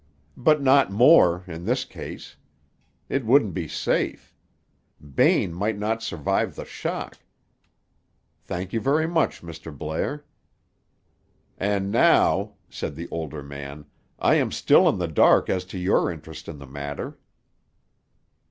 "But not more, in this case. It wouldn't be safe. Bain might not survive the shock. Thank you very much, Mr. Blair." "And now," said the older man, "I am still in the dark as to your interest in the matter."